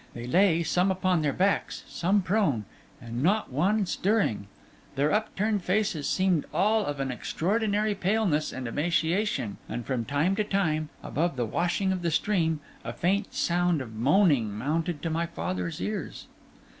They lay some upon their backs, some prone, and not one stirring; their upturned faces seemed all of an extraordinary paleness and emaciation; and from time to time, above the washing of the stream, a faint sound of moaning mounted to my father's ears.